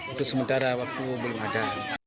untuk sementara waktu belum ada